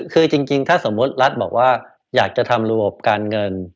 คือจริงถ้าสมมุติรัฐบอกว่าอยากจะทำระบบการเงิน